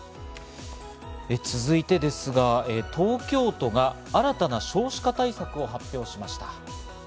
続いてですが、東京都が新たな少子化対策を発表しました。